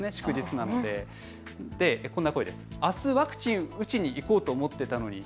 なのでこんな声です。